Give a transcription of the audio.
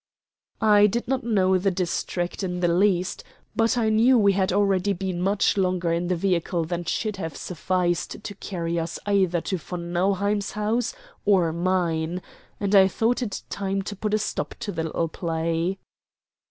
I did not know the district in the least, but I knew we had already been much longer in the vehicle than should have sufficed to carry us either to von Nauheim's house or mine, and I thought it time to put a stop to the little play.